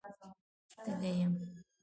_تږی يم.